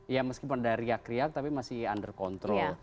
ya meskipun ada riak riak tapi masih under control